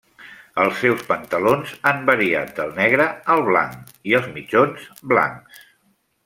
Els seus pantalons han variat del negre al blanc i els mitjons blancs.